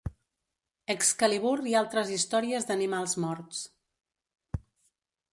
Excalibur i altres històries d'animals morts.